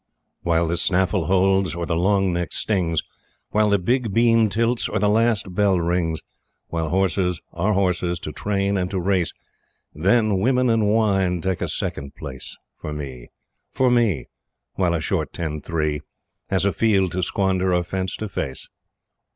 While the snaffle holds, or the "long neck" stings, While the big beam tilts, or the last bell rings, While horses are horses to train and to race, Then women and wine take a second place For me for me While a short "ten three" Has a field to squander or fence to face!